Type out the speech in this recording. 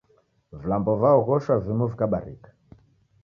Vilambo vaoghoshwa vimu vikabarika